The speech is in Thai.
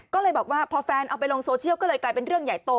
ก็เลยบอกว่าพอแฟนเอาไปลงโซเชียลก็เลยกลายเป็นเรื่องใหญ่โต